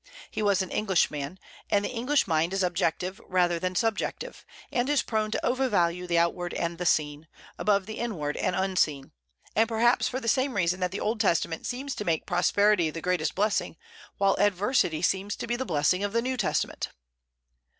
He was an Englishman, and the English mind is objective rather than subjective, and is prone to over value the outward and the seen, above the inward and unseen; and perhaps for the same reason that the Old Testament seems to make prosperity the greatest blessing, while adversity seems to be the blessing of the New Testament.